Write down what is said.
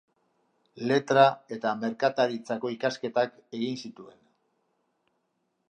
Letra eta Merkataritzako ikasketak egin zituen.